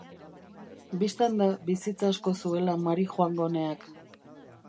Bistan da bizitza asko zuela Marijoangoneak.